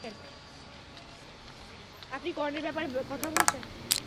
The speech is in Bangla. আপনি কর্ণের ব্যাপারে কথা বলছেন।